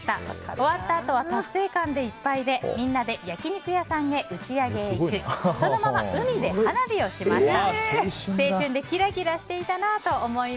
終わったあとは達成感でいっぱいでみんなで焼き肉屋さんへ打ち上げに行きそのまま海で花火をしました。